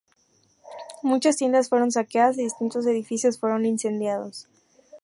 Muchas tiendas fueron saqueadas y distintos edificios fueron incendiados.